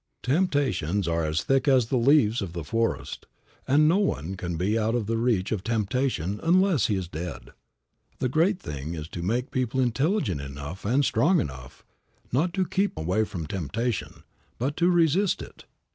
Temptations are as thick as the leaves of the forest, and no one can be out of the reach of temptation unless he is dead. The great thing is to make people intelligent enough and strong enough, not to keep away from temptation, but to resist it.